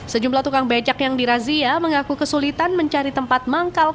sejumlah tukang becak yang dirazia mengaku kesulitan mencari tempat manggal